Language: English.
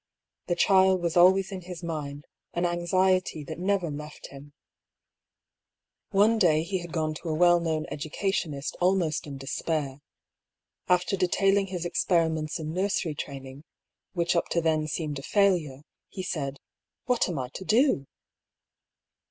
The child was always in his mind, an anxiety that never left him. THE BEGINNING OF THE SEQUEL. 169 One day he had gone to a well known educationist almost in despair. After detailing his experiments in nursery training, which up to then seemed a failure, he said, " What am I to do